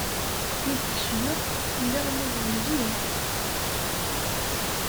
Mi d-kecmeɣ, lliɣ lluẓeɣ mliḥ.